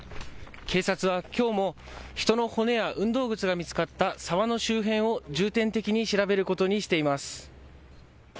警察はきょうも人の骨や運動靴が見つかった沢の周辺を重点的に調べることにしています。